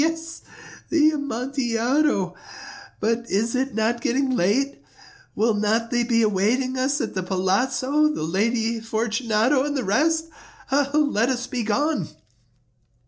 he!—yes, the Amontillado. But is it not getting late? Will not they be awaiting us at the palazzo, the Lady Fortunato and the rest? Let us be gone."